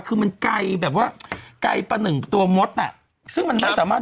คือมันไกลแบบว่าไกลประหนึ่งตัวมดอ่ะซึ่งมันไม่สามารถ